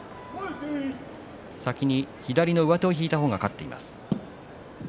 先に左の上手を引いた方が勝っています。